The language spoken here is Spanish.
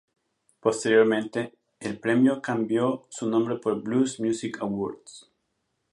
Posteriormente, el premio cambió su nombre por "Blues Music Awards".